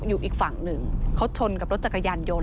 อยู่อีกฝั่งหนึ่งเขาชนกับรถจักรยานยนต